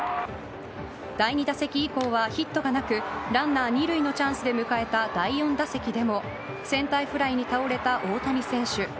第２打席以降はヒットがなく、ランナー２塁のチャンスで迎えた第４打席でもセンターフライに倒れた大谷選手。